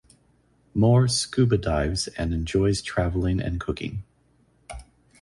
Mohr scuba dives and enjoys traveling and cooking.